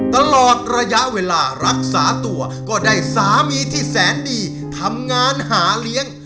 ตลอดระยะเวลารักษาตัวก็ได้สามีที่แสนดีทำงานหาเลี้ยง